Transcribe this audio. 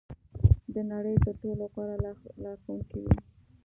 د نړۍ تر ټولو غوره لارښوونکې وي.